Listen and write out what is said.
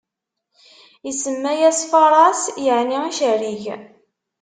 Isemma-yas Faraṣ, yeɛni icerrig.